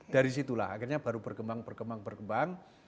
dari situlah akhirnya baru berkembang berkembang